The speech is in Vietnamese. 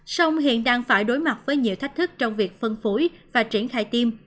sông hiện đang phải đối mặt với nhiều thách thức trong việc phân phối và triển khai tiêm